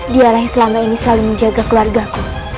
dialah yang selama ini selalu menjaga keluarga ku